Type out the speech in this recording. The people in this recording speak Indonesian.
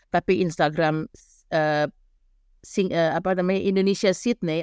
tapi instagram indonesia sydney